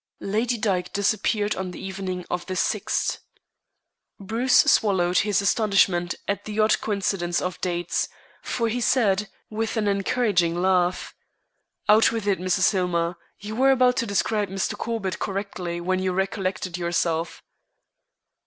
Lady Dyke disappeared on the evening of the 6th! Bruce swallowed his astonishment at the odd coincidence of dates, for he said, with an encouraging laugh, "Out with it, Mrs. Hillmer. You were about to describe Mr. Corbett correctly when you recollected yourself."